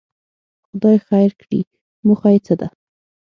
خدای خیر کړي، موخه یې څه ده.